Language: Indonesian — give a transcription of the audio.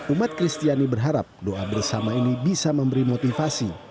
umat kristiani berharap doa bersama ini bisa memberi motivasi